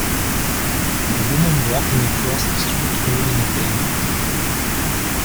A woman walking across the street holding a baby.